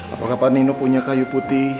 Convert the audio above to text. apakah pak nino punya kayu putih